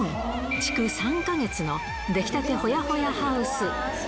築３か月の出来立てほやほやハウス。